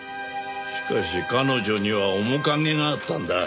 しかし彼女には面影があったんだ。